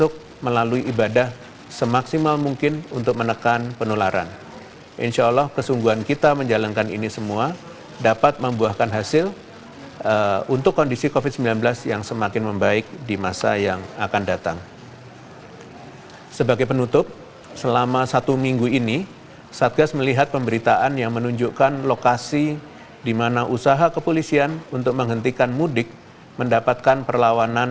hal ini untuk mencegah kerumunan dan meminimalisir kontak fisik yang dapat meningkatkan penularan